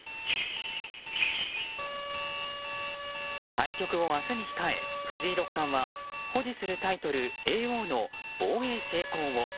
対局を明日に控え、藤井六冠は保持するタイトル、叡王の防衛成功を。